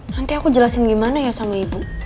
nanti aku jelasin gimana ya sama ibu